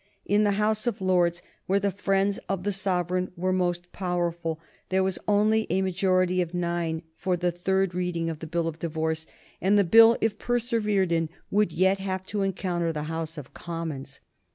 In the House of Lords, where the friends of the sovereign were most powerful, there was only a majority of nine for the third reading of the Bill of Divorce, and the Bill if persevered in would yet have to encounter the House of Commons.